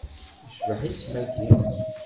Icbeḥ isem-agi.